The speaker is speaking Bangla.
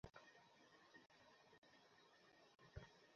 শশী বুকি খবর পেয়ে আনতে গিয়েছিল?